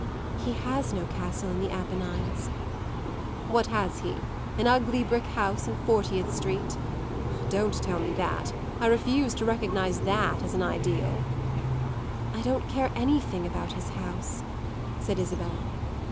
"He has no castle in the Apennines." "What has he? An ugly brick house in Fortieth Street? Don't tell me that; I refuse to recognise that as an ideal." "I don't care anything about his house," said Isabel.